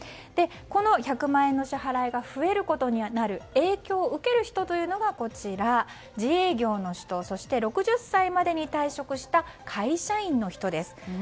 この１００万円の支払いの影響を受ける人というのが自営業の人そして６０歳までに退職した会社員の人です。